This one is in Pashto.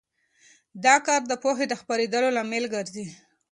دا کار د پوهې د خپرېدو لامل ګرځي.